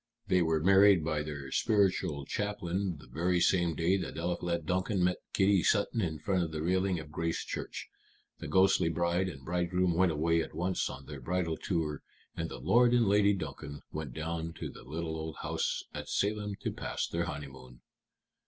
They were married by their spiritual chaplain the very same day that Eliphalet Duncan met Kitty Sutton in front of the railing of Grace Church. The ghostly bride and bridegroom went away at once on their bridal tour, and Lord and Lady Duncan went down to the little old house at Salem to pass their honeymoon."